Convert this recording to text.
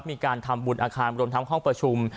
มีการทำบุญอาคารรวมทั้งห้องประชุม